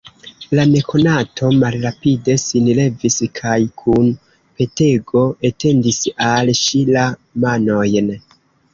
La nekonato malrapide sin levis kaj kun petego etendis al ŝi la manojn.